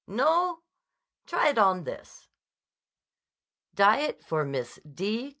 "No? Try it on this." "Diet for Miss D.